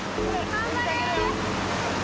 頑張れ！